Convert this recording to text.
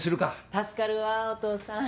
助かるわお父さん。